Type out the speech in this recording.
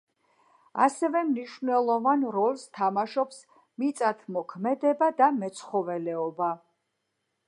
ასევე მნიშნელოვან როლს თამაშობს მიწათმოქმედება და მეცხოველეობა.